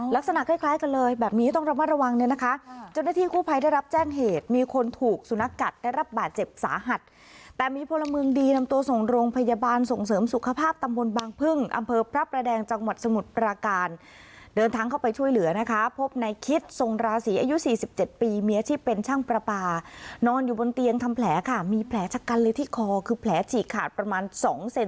ลักษณะคล้ายกันเลยแบบมีให้ต้องระมัดระวังเนี่ยนะคะจนที่คู่ภัยได้รับแจ้งเหตุมีคนถูกสุนัขกัดได้รับบาดเจ็บสาหัดแต่มีพลเมืองดีนำตัวส่งโรงพยาบาลส่งเสริมสุขภาพตำบลบางพึ่งอำเภอพระประแดงจังหวัดสมุทรอาการเดินทางเข้าไปช่วยเหลือนะคะพบในคิดทรงราศีอายุ๔๗ปีเมียอาชีพเป